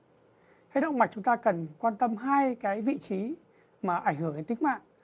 hệ thống động mạch chúng ta cần quan tâm hai vị trí mà ảnh hưởng đến tính mạng